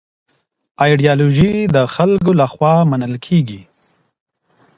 ايډيالوژي د خلګو لخوا منل کيږي.